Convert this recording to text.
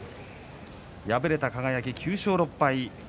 敗れた輝、９勝６敗。